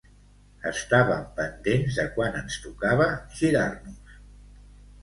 Estàvem pendents de quan ens tocava girar-nos.